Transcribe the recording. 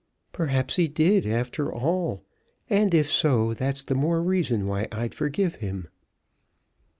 "Perhaps he did, after all; and if so, that's the more reason why I'd forgive him."